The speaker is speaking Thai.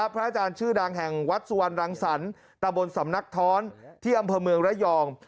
พระอาจารย์ชื่อดังแห่งวัดสุวรรณรังสรรค์ตะบนสำนักท้อนที่อำเภอเมืองระยอง